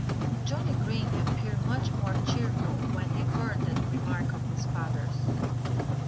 Johnnie Green appeared much more cheerful when he heard that remark of his father's.